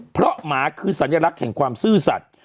เพราะหมาคือสัญลักษณ์แห่งความซื่อสัตว์